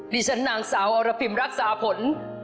ดิฉันนางสาวอรพิมรักษาผล